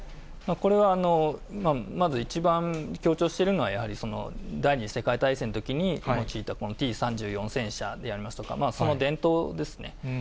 これは、まず一番強調しているのは、やはり第２次世界大戦のときに用いたこのＴ３４戦車でありますとか、その伝統ですね。